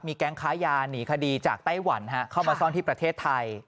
แก๊งค้ายาหนีคดีจากไต้หวันเข้ามาซ่อนที่ประเทศไทย